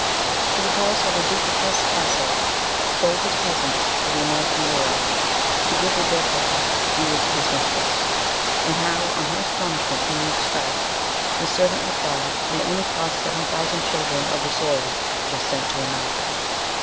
She recalls how the Duke of Hesse Cassel sold his peasants for the American war, to give with their pay jewels to his mistress, and how, on her astonishment being expressed, the servant replied they only cost seven thousand children of the soil just sent to America.